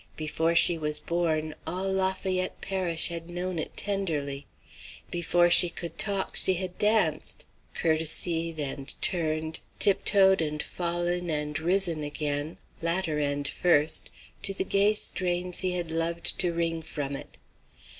Before she was born, all Lafayette parish had known it tenderly. Before she could talk she had danced courtesied and turned, tiptoed and fallen and risen again, latter end first, to the gay strains he had loved to wring from it.